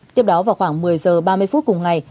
tiếp đó vào khoảng một mươi giờ ba mươi phút cùng ngày